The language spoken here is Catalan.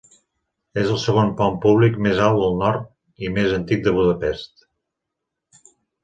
És el segon pont públic més al nord i més antic de Budapest.